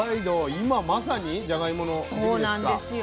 今まさにじゃがいもの時期ですか。